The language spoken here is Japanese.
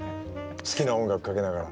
好きな音楽かけながら。